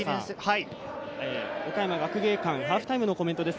岡山学芸館、ハーフタイムのコメントです。